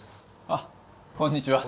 あっこんにちは。